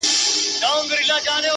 اوس به څه ليكې شاعره!